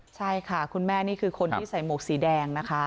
ใช่ค่ะคุณแม่นี่คือคนที่ใส่หมวกสีแดงนะคะ